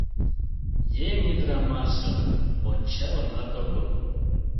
...Еҥ ӱдырамашым ончалынат огыл.